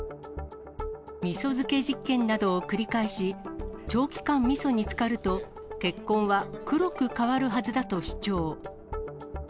みそ漬け実験などを繰り返し、長期間みそにつかると、血痕は黒く変わるはずだと主張。